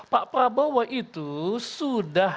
pak prabowo itu sudah